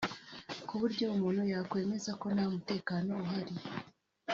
ku buryo umuntu yakwemeza ko nta mutekano uhari